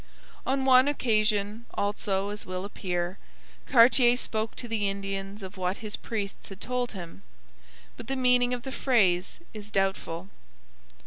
On one occasion, also, as will appear, Cartier spoke to the Indians of what his priests had told him, but the meaning of the phrase is doubtful.